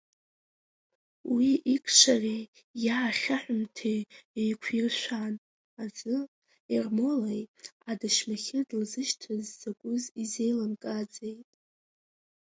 Уи икшареи иаахьаҳәымҭеи еиқәиршҳәан азы, Ермолаи адашьмахьы длазышьҭыз закәыз изеилымкааӡеит.